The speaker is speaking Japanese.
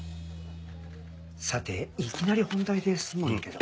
さていきなり本題ですまんけど。